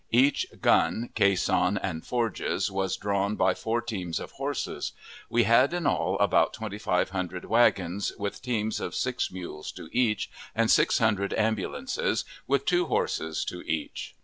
Each gun, caisson, and forges was drawn by four teams of horses. We had in all about twenty five hundred wagons, with teams of six mules to each, and six hundred ambulances, with two horses to each.